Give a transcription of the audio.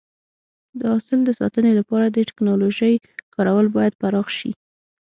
د حاصل د ساتنې لپاره د ټکنالوژۍ کارول باید پراخ شي.